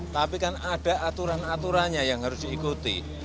tapi kan ada aturan aturannya yang harus diikuti